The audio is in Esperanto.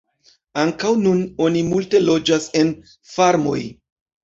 Ankaŭ nun oni multe loĝas en farmoj.